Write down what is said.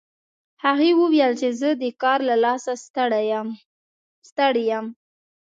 هغې وویل چې زه د کار له لاسه ستړي یم